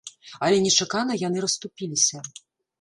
Але нечакана яны расступіліся.